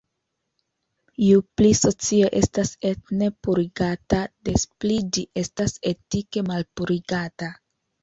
Ju pli socio estas etne purigata, des pli ĝi estas etike malpurigata.